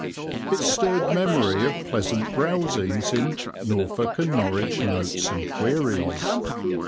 It stirred memory of pleasant browsings in Norfolk and Norwich Notes and Queries.